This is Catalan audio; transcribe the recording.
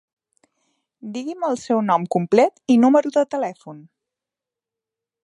Digui'm el seu nom complet i número de telèfon.